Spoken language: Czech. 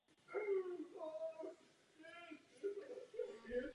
To je evropským způsobem života.